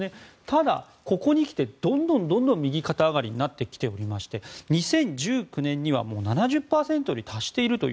ただここに来てどんどん右肩上がりになってきておりまして２０１９年にはもう７０％に達していると。